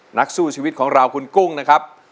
นักสู้ชีวิตของเราคุณกุ้งนะครับ